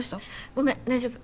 ごめん大丈夫。